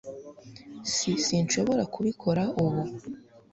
s sinshobora kubikora ubu